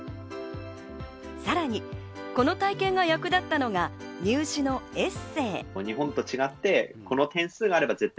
さらにこの体験が役立ったのが入試のエッセー。